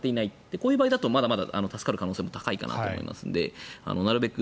こういう場合だとまだ助かる可能性も高いかなと思いますのでなるべく